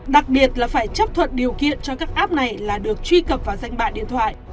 đặc biệt là phải chấp thuận điều kiện cho các app này là được truy cập vào danh bạ điện thoại